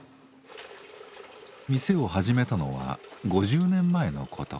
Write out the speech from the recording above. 店を始めたのは５０年前のこと。